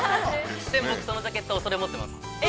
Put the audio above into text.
◆でも僕そのジャケット、それ持ってます。